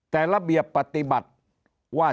แต่ระเบียบปฏิบัติว่า